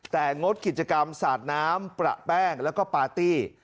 แต่งดกิจกรรมสาดน้ำประแป้งแล้วก็ปาร์ตี้